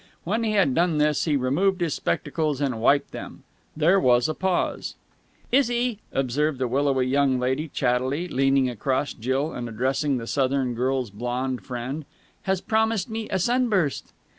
When he had done this, he removed his spectacles and wiped them. There was a pause. "Izzy," observed the willowy young lady chattily, leaning across Jill and addressing the Southern girl's blonde friend, "has promised me a sunburst!"